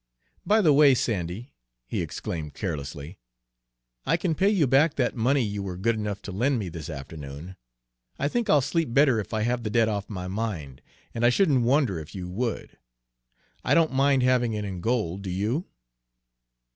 "By the way, Sandy," he exclaimed carelessly, "I can pay you back that money you were good enough to lend me this afternoon. I think I'll sleep better if I have the debt off my mind, and I shouldn't wonder if you would. You don't mind having it in gold, do you?"